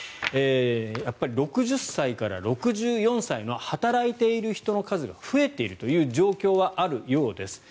やっぱり６０歳から６４歳の働いている人の数が増えているという状況はあるようです。